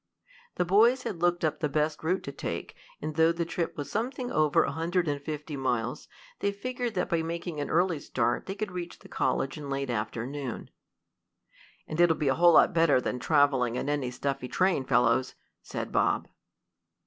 The boys had looked up the best route to take, and though the trip was something over a hundred and fifty miles, they figured that by making an early start they could reach the college in the late afternoon. "And it'll be a whole lot better than traveling in a stuffy train, fellows," said Bob.